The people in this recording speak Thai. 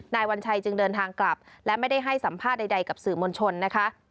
วัญชัยจึงเดินทางกลับและไม่ได้ให้สัมภาษณ์ใดกับสื่อมวลชนนะคะ